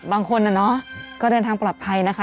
บางคนน่ะเนอะก็เดินทางปลอดภัยนะคะ